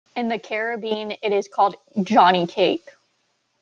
In the Caribbean, it is called "Johnny cake".